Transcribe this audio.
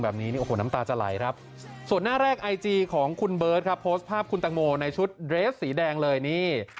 โปรดติดตามตอนต่อไป